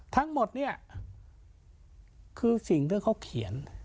ทั้งหมดเนี่ยคือสิ่งที่เขาเขียน